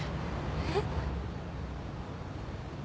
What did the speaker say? えっ？